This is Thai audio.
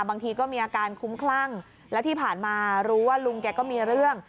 บางทีก็มีอาการคุ้มคลั่งแล้วที่ผ่านมารู้ว่าลุงแกก็มีเรื่อง